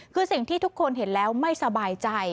คือสิ่งที่ทุกคนเห็นแล้วไม่สบายใจ